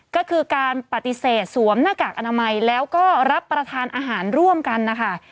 ก็คือการปฏิเสธสวมหน้ากากอนามัยแล้วก็รับประทานอาหารร่วมกันนะคะ